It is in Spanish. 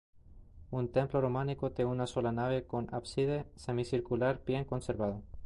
Un templo románico de una sola nave con ábside semicircular bien conservado.